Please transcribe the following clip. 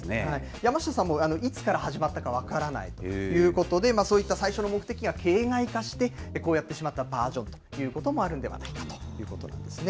山下さんも、いつから始まったか分からないということで、そういった最初の目的が形骸化して、こうやってしまったバージョンということもあるんじゃないかと思いますね。